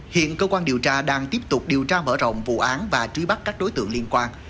hiện cơ quan điều tra đang tiếp tục điều tra mở rộng vụ án và truy bắt các đối tượng liên quan